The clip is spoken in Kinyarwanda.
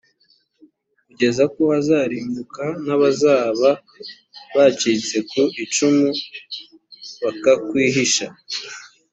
, kugeza ko harimbuka n’abazaba bacitse ku icumu bakakwihisha.